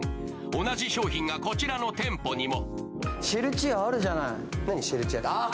同じ商品がこちらの店舗にも。